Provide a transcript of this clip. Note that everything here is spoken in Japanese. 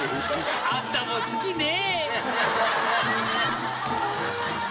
あんたも好きね。